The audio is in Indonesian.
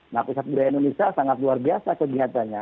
nah pusat budaya indonesia sangat luar biasa kegiatannya